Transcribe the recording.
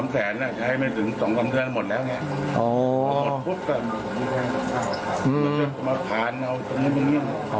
ยืนไว้ฝันแล้วเข้ามาเห็นผมล้มก็ล้มไปแค่นั้นเอง